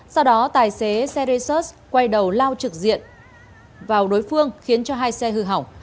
sau đó tài xế xe resus quay đầu lao trực diện vào đối phương khiến cho hai xe hư hỏng